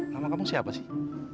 nama kamu siapa sih